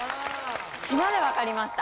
島でわかりました。